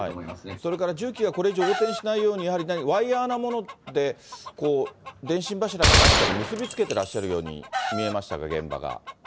それから重機がこれ以上、横転しないように、やはりワイヤーなもので、電信柱か何かに結び付けてらっしゃるように見えましたが、現場が。